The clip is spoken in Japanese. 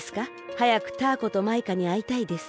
はやくタアコとマイカにあいたいです。